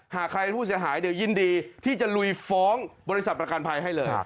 หากใครเป็นผู้เสียหายเดี๋ยวยินดีที่จะลุยฟ้องบริษัทประกันภัยให้เลย